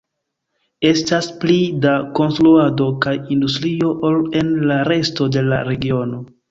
Estas pli da konstruado kaj industrio ol en la resto de la regiono.